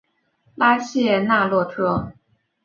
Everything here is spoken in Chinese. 拉谢纳洛特。